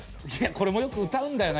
これもよく歌うんだよな